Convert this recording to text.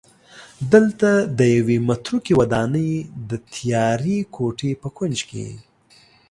دلته د یوې متروکې ودانۍ د تیارې کوټې په کونج کې